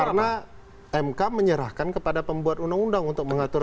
karena mk menyerahkan kepada pembuat undang undang untuk mengatur